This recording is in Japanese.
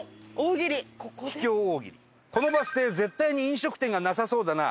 「このバス停絶対に飲食店がなさそうだな」